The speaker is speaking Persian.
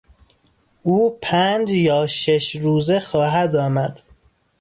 او پنج یا شش روزه خواهد آمد.